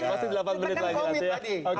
pasti delapan menit lagi